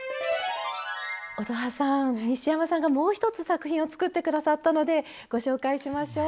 乙葉さん西山さんがもう一つ作品を作って下さったのでご紹介しましょう。